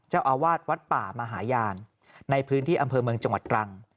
เจ้าอาวาสวัดป่ามหาญาณในพื้นที่อำเภอเมืองจังหวัดตรัง